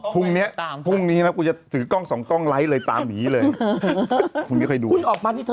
วันนี้ปุงนะกูจะซื้อกล้องสองกล้องไลท์ตามหวานหวานหวาน